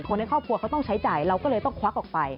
ในครอบครัวเขาต้องใช้จ่ายเราก็เลยต้องควักออกไป